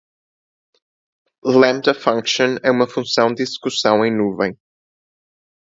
Lambda Function é uma função de execução em nuvem.